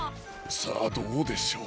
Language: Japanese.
さあどうでしょう？